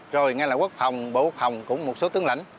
rồi ngay là quốc phòng bộ quốc phòng cũng một số tướng lãnh